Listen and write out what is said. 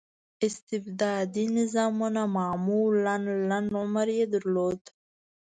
استبدادي نظامونه معمولا لنډ عمر یې درلود.